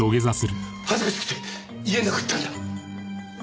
恥ずかしくて言えなかったんだ！